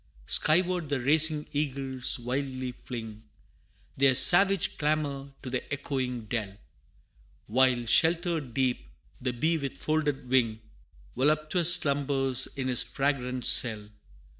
Skyward the racing eagles wildly fling Their savage clamor to the echoing dell While sheltered deep, the bee with folded wing, Voluptuous slumbers in his fragrant cell.